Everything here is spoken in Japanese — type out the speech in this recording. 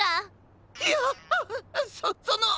いやあっそその。